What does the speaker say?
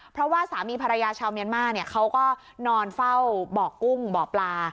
เพราะว่าสามีภรรยาชาวเมียนมาร์เขาก็นอนเฝ้าบ่อกุ้งบ่อปลา